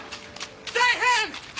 大変！